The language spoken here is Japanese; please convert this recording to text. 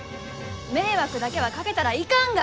迷惑だけはかけたらいかんが！